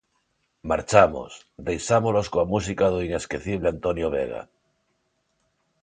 Marchamos, deixámolos coa música do inesquecible Antonio Vega.